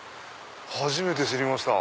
初めて知りました。